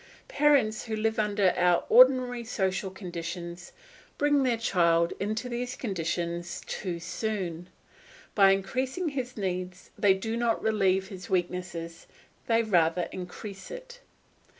Parents who live under our ordinary social conditions bring their child into these conditions too soon. By increasing his needs they do not relieve his weakness; they rather increase it.